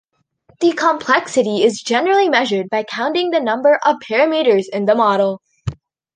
The complexity is generally measured by counting the number of parameters in the model.